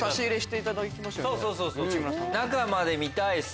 中まで見たいっす。